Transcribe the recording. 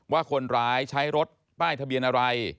ว่าคนร้ายใช้รถป้ายทะเบียนอะไร